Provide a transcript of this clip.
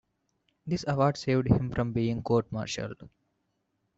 This award saved him from being court-martialled.